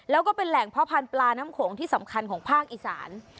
แล้วก็เป็นแหล่งเพาะพันธุ์ปลาน้ำโขงที่สำคัญของภาคอีสาน